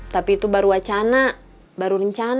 tapi itu baru wacana baru rencana